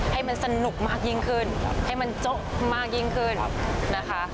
ให้มันสนุกมากยิ่งขึ้นให้มันโจ๊ะมากยิ่งขึ้นนะคะ